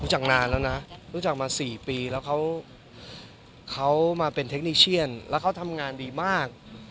นานแล้วนะรู้จักมา๔ปีแล้วเขามาเป็นเทคนิเชียนแล้วเขาทำงานดีมาก